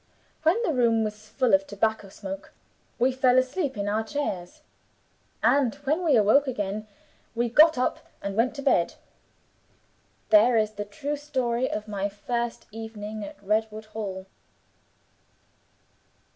When the room was full of tobacco smoke we fell asleep in our chairs and when we awoke again we got up and went to bed. There is the true story of my first evening at Redwood Hall."